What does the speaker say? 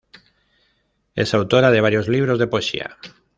Es autora de varios libros de poesía.